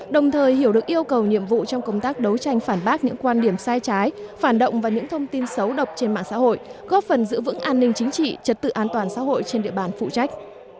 đồng thời hiểu được yêu cầu nhiệm vụ trong công tác đấu tranh phản bác những quan điểm sai trái phản động và những thông tin xấu độc trên mạng xã hội góp phần giữ vững an ninh chính trị trật tự an toàn xã hội trên địa bàn phụ trách